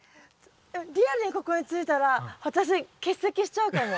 えっリアルにここについたら私欠席しちゃうかも次。